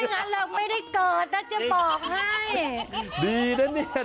ไม่งั้นเราไม่ได้เกิดแล้วจะบอกให้